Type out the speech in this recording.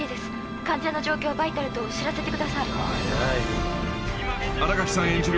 「患者の状況バイタル等知らせてください」「早い」［新垣さん演じる